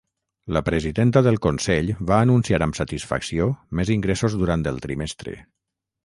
La presidenta del consell va anunciar amb satisfacció més ingressos durant el trimestre.